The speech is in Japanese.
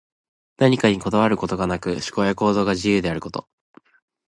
何かにこだわることがなく、思考や行動が自由であること。